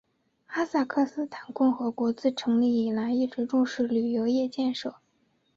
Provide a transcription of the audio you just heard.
哈萨克斯坦共和国自成立以来一直重视旅游业建设。